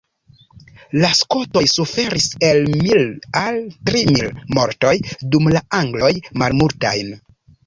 La skotoj suferis el mil al tri mil mortoj, dum la angloj malmultajn.